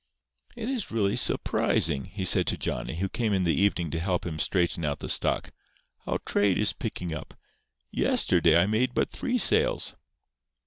"It is really surprising," he said to Johnny, who came up in the evening to help him straighten out the stock, "how trade is picking up. Yesterday I made but three sales."